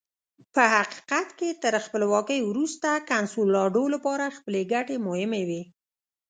په حقیقت کې تر خپلواکۍ وروسته کنسولاډو لپاره خپلې ګټې مهمې وې.